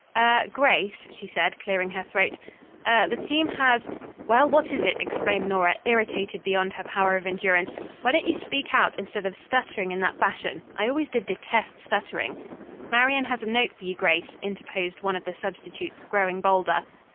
"Er Grace," she said, clearing her throat, "er the team has " "Well, what is it?" exclaimed Nora, irritated beyond her power of endurance. "Why don't you speak out, instead of stuttering in that fashion? I always did detest stuttering." "Marian has a note for you, Grace," interposed one of the substitutes growing bolder.